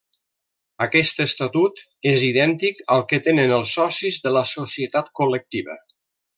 Aquest estatut és idèntic al que tenen els socis de la societat col·lectiva.